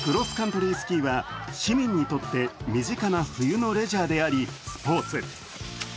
スキーは市民にとって身近な冬のレジャーでありスポーツ。